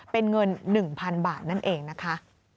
เป็นเงิน๑๐๐๐บาทนั่นเองนะคะ